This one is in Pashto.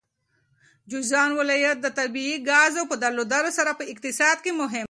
جوزجان ولایت د طبیعي ګازو په درلودلو سره په اقتصاد کې مهم دی.